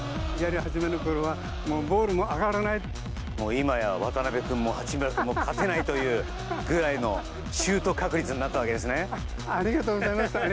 今や渡邊君も八村君も勝てないぐらいのシュート確率になったんですね。